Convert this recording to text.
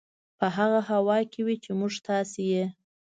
په هغه هوا کې وي چې موږ تاسې یې